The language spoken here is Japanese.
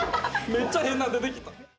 めっちゃ変なの出てきた。